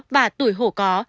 và tuổi hổ có